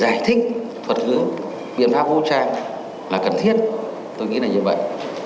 cái thuật gửi biện pháp vũ trang là cần thiết tôi nghĩ là như vậy